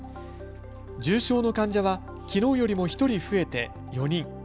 重症の患者はきのうよりも１人増えて４人。